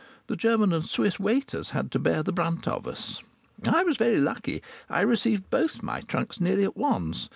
The German and Swiss waiters had to bear the brunt of us. I was very lucky. I received both my trunks nearly at once.